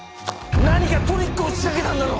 何かトリックをしかけたんだろ！